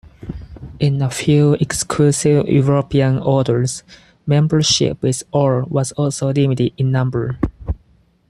In a few exclusive European orders, membership is or was also limited in number.